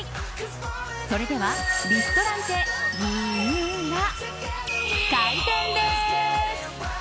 それではリストランテＭＩＵＲＡ開店です。